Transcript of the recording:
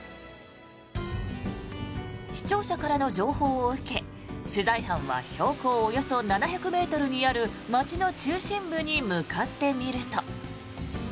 視聴者からの情報を受け取材班は標高およそ７００ｍにある町の中心部に向かってみると。